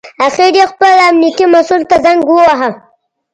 اخر یې خپل امنیتي مسوول ته زنګ وواهه.